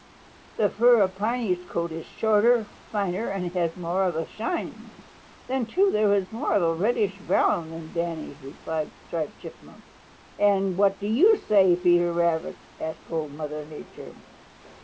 "The fur of Piney's coat is shorter, finer and has more of a shine. Then, too, it is more of a reddish brown than Danny's," replied Striped Chipmunk. "And what do you say, Peter Rabbit?" asked Old Mother Nature.